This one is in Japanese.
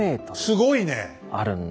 すごいねえ！